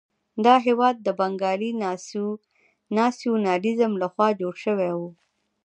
دا هېواد د بنګالي ناسیونالېزم لخوا جوړ شوی وو.